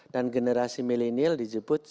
dan generasi millennial disebut